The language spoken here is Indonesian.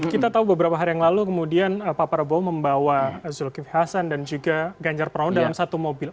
kita tahu beberapa hari yang lalu kemudian pak prabowo membawa zulkif hasan dan juga ganjar pranowo dalam satu mobil